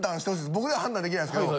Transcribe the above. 僕では判断できないですけど。